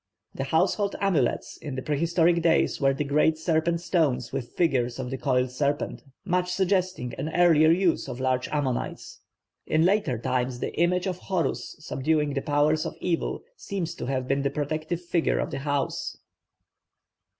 The household amulets in the prehistoric days were the great serpent stones with figures of the coiled serpent; much suggesting an earlier use of large ammonites. In later times the image of Horus subduing the powers of evil seems to have been the protective figure of the house.